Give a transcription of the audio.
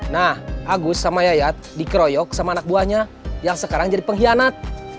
nah agus sama yayat dikeroyok sama anak buahnya yang sekarang jadi pengkhianat